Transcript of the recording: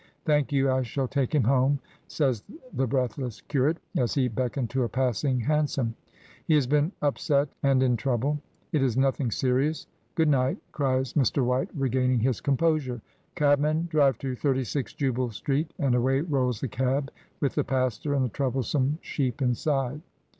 "Thank you, I shall take him home," says the breathless curate, as he beckoned to a passing hansom. "He has been up set and in trouble. It is nothing serious. Good night," cries Mr. White, regaining his composure. "Cabman, drive to 36 Jubal Street," and away rolls the cab with the pastor and the troublesome sheep inside.